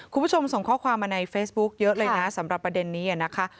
ข้อความมาในเฟซบุ๊กเยอะเลยนะสำหรับประเด็นนี้อ่ะนะคะ